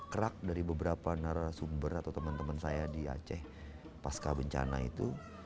kerak dari beberapa narasumber atau teman teman saya di aceh pasca bencana itu